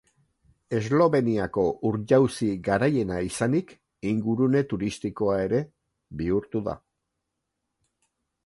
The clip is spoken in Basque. Esloveniako ur-jauzi garaiena izanik ingurune turistikoa ere bihurtu da.